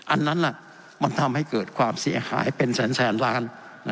อันนั้นมันทำให้เกิดความเสียหายเป็นแสนล้าน